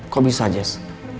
kok bisa jess